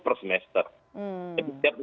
per semester jadi setiap